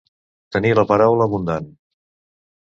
Tenir la paraula abundant.